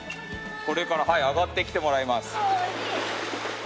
これからはい上がってきてもらいます。